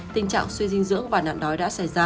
tình trạng suy dinh dưỡng và nạn đói đã xảy ra